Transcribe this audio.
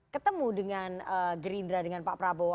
ketemu dengan gerindra dengan pak prabowo